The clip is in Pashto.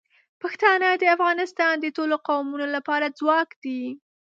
پښتانه د افغانستان د ټولو قومونو لپاره ځواک دي.